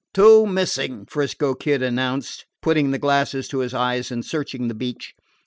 "Two missing," 'Frisco Kid announced, putting the glasses to his eyes and searching the beach.